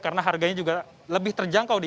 karena harganya juga lebih terjangkau